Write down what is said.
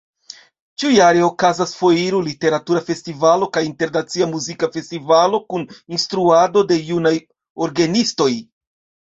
Ĉiujare okazas foiro, literatura festivalo kaj internacia muzika festivalo kun instruado de junaj orgenistoj.